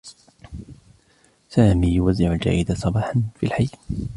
سامي يوزع الجريدة صباحا في الحي.